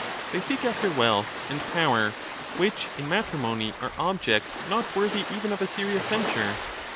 They seek after wealth and power, which in matri mony are objects not worthy even of a serious censure.